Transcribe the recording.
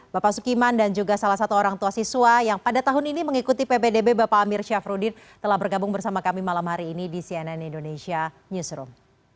bapak sukiman dan juga salah satu orang tua siswa yang pada tahun ini mengikuti ppdb bapak amir syafruddin telah bergabung bersama kami malam hari ini di cnn indonesia newsroom